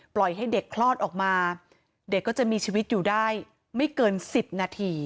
ปล่อยให้เด็กคลอดออกมาเด็กก็จะมีชีวิตอยู่ได้ไม่เกิน๑๐นาที